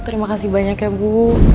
terima kasih banyak ya bu